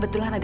aku mau pergi